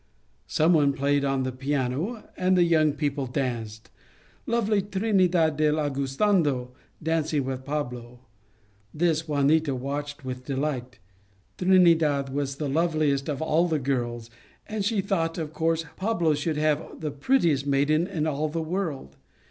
Some one played on the piano and the young people danced, lovely Trinidad del Aguistanado danc ing with Pablo. This Juanita watched with A Tertulia 107 delight. Trinidad was the loveliest of ail the girls, and she thought, of course, Pablo should have the prettiest maiden in all the world.